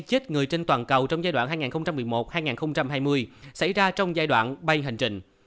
chết người trên toàn cầu trong giai đoạn hai nghìn một mươi một hai nghìn hai mươi xảy ra trong giai đoạn bay hành trình